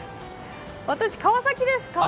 私、川崎です。